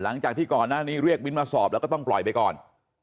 หลังจากที่ก่อนหน้านี้เรียกบินมาสอบแล้วก็ต้องปล่อยไปก่อน